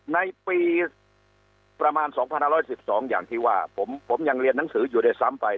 ในปีประมาณ๒๕๑๒อย่างที่ว่าผมยังเรียนหนังสืออยู่ด้วยซ้ำไป